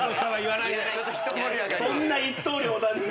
そんな一刀両断に。